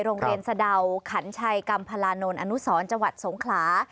โรงเรียนสะดาวขัญชัยกรรมพลานนท์อนุสรจวัตรสงคลา